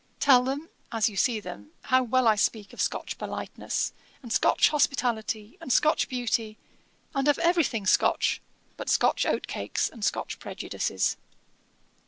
Tell them, as you see them, how well I speak of Scotch politeness, and Scotch hospitality, and Scotch beauty, and of every thing Scotch, but Scotch oat cakes, and Scotch prejudices.